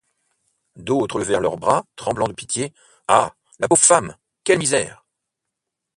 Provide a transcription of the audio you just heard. D’autres levèrent leurs bras, tremblants de pitié: ah! la pauvre femme ! quelle misère !